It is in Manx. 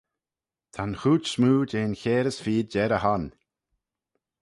Ta'n chooid smoo jeh'n Chiare-as-Feed er-e-hon.